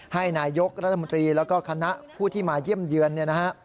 ให้นายกรัฐมนตรีแล้วก็คณะผู้ที่มาเยี่ยมเยือน